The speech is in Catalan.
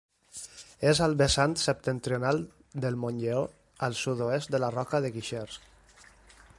És al vessant septentrional del Montlleó, al sud-oest de la Roca de Guixers.